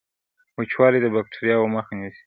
وچوالی د باکټریاوو مخه نیسي.